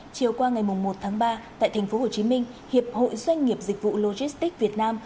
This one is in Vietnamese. chiều qua ngày một tháng ba tại tp hcm hiệp hội doanh nghiệp dịch vụ logistics việt nam